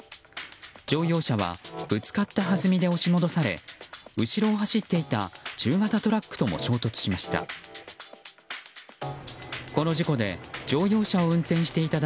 乗用車はぶつかったはずみで押し戻され後ろを走っていた中型トラックとも衝突しました。